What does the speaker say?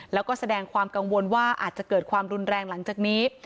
แล้วก็แสดงความกังวลว่าอาจจะเกิดความรุนแรงหลังจากนี้